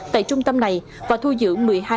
tại trung tâm này và thu giữ